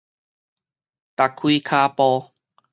踏開跤步